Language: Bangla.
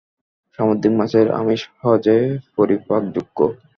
সামুদ্রিক মাছের আমিষ সহজে পরিপাকযোগ্য।